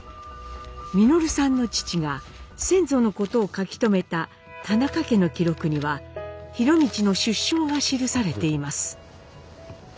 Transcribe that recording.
稔さんの父が先祖のことを書き留めた「田中家の記録」には博通の出生が記されています。